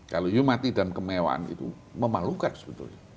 kalau you mati di dalam kemewahan itu memalukan sebetulnya